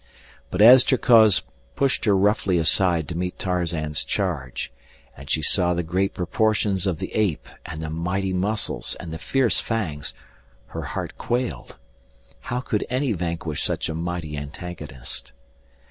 But as Terkoz pushed her roughly aside to meet Tarzan's charge, and she saw the great proportions of the ape and the mighty muscles and the fierce fangs, her heart quailed. How could any vanquish such a mighty antagonist?